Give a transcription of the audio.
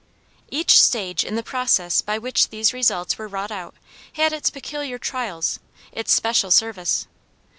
Each stage in the process by which these results were wrought out, had its peculiar trials, its special service.